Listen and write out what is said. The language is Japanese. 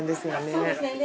そうですね。